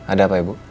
ada apa ya bu